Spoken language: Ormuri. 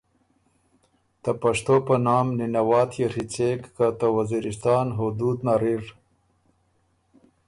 ته پشتو په نام په نِنه واتيې ڒیڅېک که ته وزیرستان حدود نر اِر